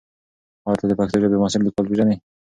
ایا ته د پښتو ژبې معاصر لیکوالان پېژنې؟